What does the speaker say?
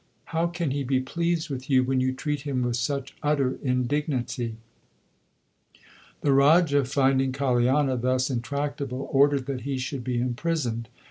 How can He be pleased with you when you treat him with such utter indignity ? l The Raja finding Kaliana thus intractable ordered that he should be imprisoned.